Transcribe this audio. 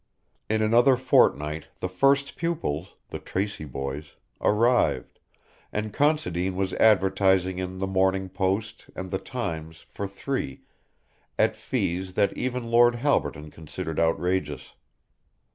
In another fortnight the first pupils, the Tracey boys, arrived, and Considine was advertising in The Morning Post and The Times for three at fees that even Lord Halberton considered outrageous.